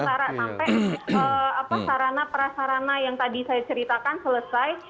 sampai sarana prasarana yang tadi saya ceritakan selesai